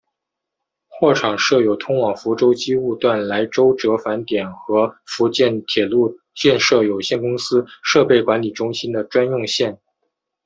货场设有通往福州机务段来舟折返点和福建铁路建设有限公司设备管理中心的专用线。